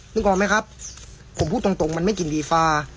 นึกออกไหมครับผมพูดตรงมันไม่กินดีฟา